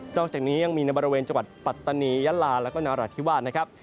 ต่อจากนี้ยังมีในบริเวณจังหวัดปัตตานียัลลาและก็นรธิวาส